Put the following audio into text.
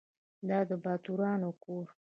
دا د باتورانو کور .